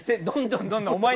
どんどんどんどん。